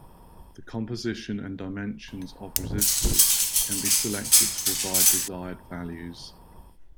The composition and dimensions of resistors can be selected to provide desired values.